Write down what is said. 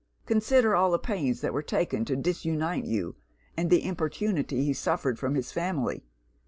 Consider all the pains that were taken to disunite you, and the importunity he suffered from his family.